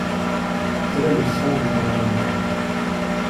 Tel est le sens de mon amendement.